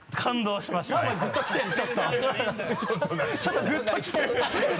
ちょっとグッときてる